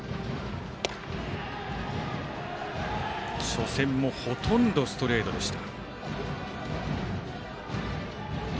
初戦もほとんどストレートでした。